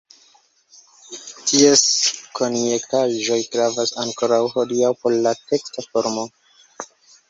Ties konjektaĵoj gravas ankoraŭ hodiaŭ por la teksta formo.